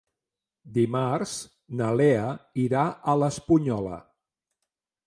Dimarts na Lea irà a l'Espunyola.